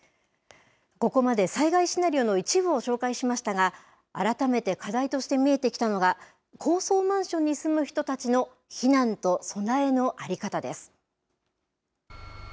ここまで災害シナリオの一部を紹介しましたが、改めて課題として見えてきたのが、高層マンションに住む人たちの避難と備えの在り方です。